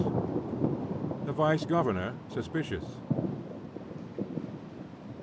THE VICE GOVERNOR SUSPICIOUS.